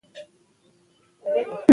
او هر هغه چا نه چې زما د زړه ټوټې دي،